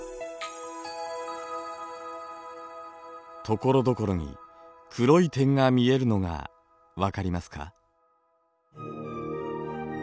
ところどころに黒い点が見えるのが分かりますか？